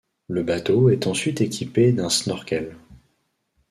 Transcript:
Le bateau est ensuite équipé d'un snorkel.